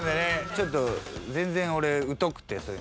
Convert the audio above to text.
ちょっと全然俺疎くてそういうの。